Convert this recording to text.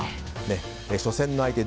初戦の相手